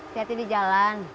siap ini jalan